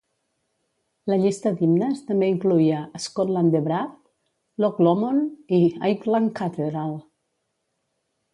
La llista d'himnes també incloïa "Scotland the Brave", "Loch Lomond" i "Highland Cathedral".